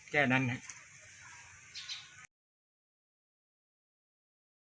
โทรศัพท์ไม่มีเงินลุงมีโทร